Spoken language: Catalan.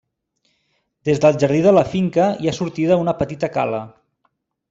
Des del jardí de la finca hi ha sortida a una petita cala.